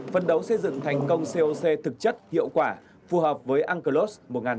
phân đấu xây dựng thành công coc thực chất hiệu quả phù hợp với unclos một nghìn chín trăm tám mươi